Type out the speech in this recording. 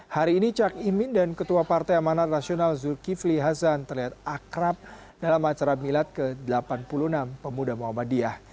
hari ini cak imin dan ketua partai amanat nasional zulkifli hasan terlihat akrab dalam acara milad ke delapan puluh enam pemuda muhammadiyah